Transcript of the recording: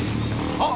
あっ！